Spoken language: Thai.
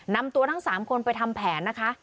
นำตัวทั้ง๓คนไปทำแผนนะคะ